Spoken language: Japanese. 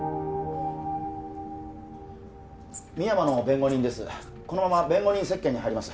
深山の弁護人です